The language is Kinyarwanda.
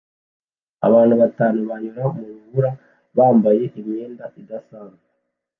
abantu batanu banyura mu rubura bambaye imyenda idasanzwe